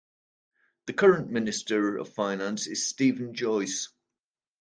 The current Minister of Finance is Steven Joyce.